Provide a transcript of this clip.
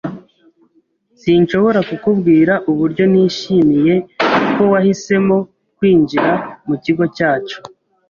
Sinshobora kukubwira uburyo nishimiye ko wahisemo kwinjira mu kigo cyacu.